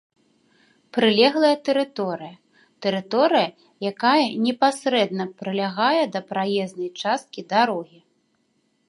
прылеглая тэрыторыя — тэрыторыя, якая непасрэдна прылягае да праезнай часткі дарогі